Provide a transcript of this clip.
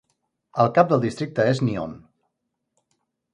El cap del districte és Nyon.